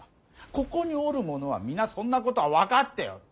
ここにおるものは皆そんなことは分かっておる。